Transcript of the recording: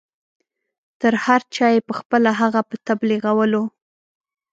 تر هر چا یې پخپله هغه په تبلیغولو.